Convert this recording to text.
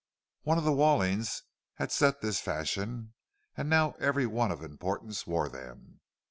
One of the Wallings had set this fashion, and now every one of importance wore them.